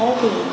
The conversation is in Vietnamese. đất giá thì